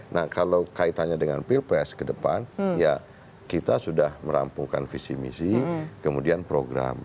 nah kalau kaitannya dengan pilpres ke depan ya kita sudah merampungkan visi misi kemudian program